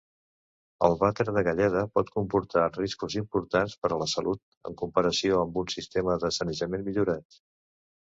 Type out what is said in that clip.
El vàter de galleda pot comportar riscos importants per a la salut en comparació amb un sistema de sanejament millorat.